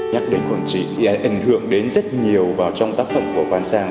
nhắc đến khoảng trí ảnh hưởng đến rất nhiều vào trong tác phẩm của phan sang